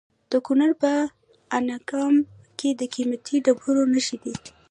د کونړ په دانګام کې د قیمتي ډبرو نښې دي.